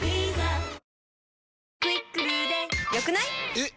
えっ！